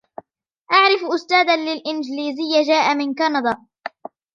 أعرف أستاذا للإنجليزية جاء من كندا.